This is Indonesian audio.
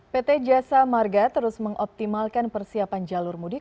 pt jasa marga terus mengoptimalkan persiapan jalur mudik